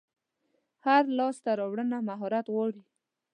هره لاسته راوړنه مهارت غواړي.